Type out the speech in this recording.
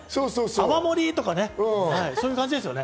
泡盛とかね、そういう感じですよね。